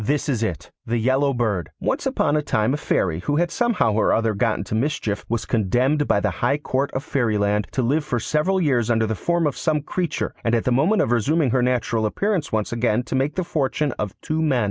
This is it: The Yellow Bird Once upon a time a Fairy, who had somehow or other got into mischief, was condemned by the High Court of Fairyland to live for several years under the form of some creature, and at the moment of resuming her natural appearance once again to make the fortune of two men.